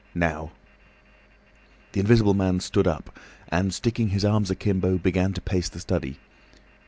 Now—" The Invisible Man stood up, and sticking his arms akimbo began to pace the study.